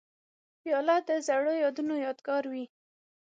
پیاله د زړو یادونو یادګار وي.